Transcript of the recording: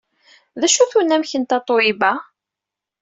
D acu-t unamek n Tatoeba?